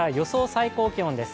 最高気温です。